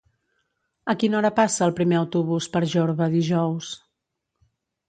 A quina hora passa el primer autobús per Jorba dijous?